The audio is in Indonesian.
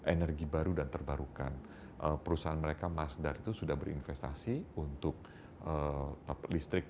energi baru dan terbarukan perusahaan mereka masdar itu sudah berinvestasi untuk listrik